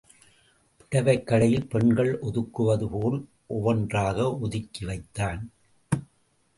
புடவைக் கடையில் பெண்கள் ஒதுக்குவது போல் ஒவ்வொன்றாக ஒதுக்கி வைத்தான்.